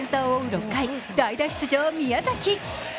６回、代打出場・宮崎。